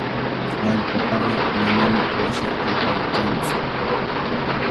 Wallpapaqa manami washa rurun kantsu.